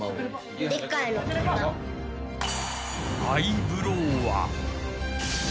［アイブローは］